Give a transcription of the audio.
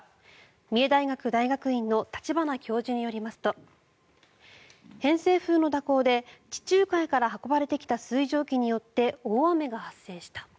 三重大学大学院の立花教授によりますと偏西風の蛇行で地中海から運ばれてきた水蒸気によって大雨が発生した。